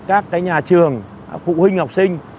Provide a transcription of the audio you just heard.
các cái nhà trường phụ huynh học sinh